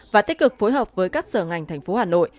và tích cực phối hợp với các sở ngành tp hà nội